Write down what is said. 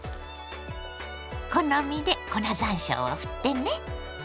好みで粉ざんしょうをふってね。